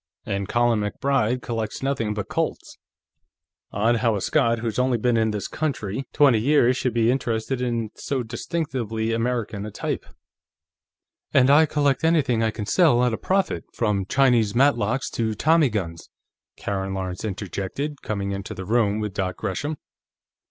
And Colin MacBride collects nothing but Colts. Odd how a Scot, who's only been in this country twenty years, should become interested in so distinctively American a type." "And I collect anything I can sell at a profit, from Chinese matchlocks to tommy guns," Karen Lawrence interjected, coming into the room with Dot Gresham.